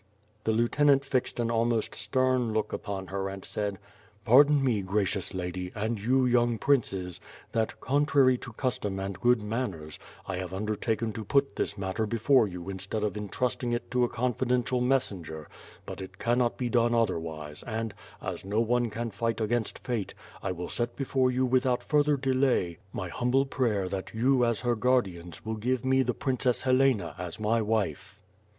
'* The lieutenant fixed an almost stem look upon her and said: 'Tardon me, gracious lady, and you, young princes, that, contrary to custom and good manners, I have undertaken WITB PIRE AKD SWORD. 65 to put this matter before you instead of intrusting it to a confidential messenger^ but it oannot be done otherwise and, as no one can fight against fate, I will set before you without further delay my humble prayer that you as her guardians will give me the Princess Helena as my wife."